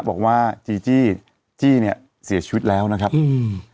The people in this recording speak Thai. บอกว่าจีจี้จี้เนี้ยเสียชีวิตแล้วนะครับอืม